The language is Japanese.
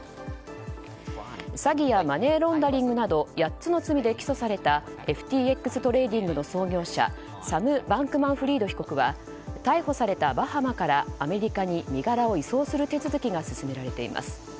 詐欺やマネーロンダリングなど８つの罪で起訴されたＦＴＸトレーディングの創業者サム・バンクマンフリード被告は逮捕されたバハマからアメリカに身柄を移送する手続きが進められています。